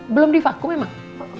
belum divakum emang